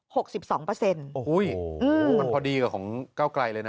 โอ้โหมันพอดีกับของเก้าไกรเลยนะ